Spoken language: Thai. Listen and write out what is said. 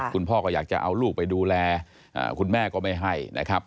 คุณพ่อก็อยากจะเอาลูกไปดูแลของคุณแม่ก็ไม่ให้